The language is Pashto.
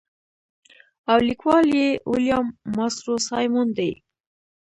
او ليکوال ئې William Mastrosimoneدے.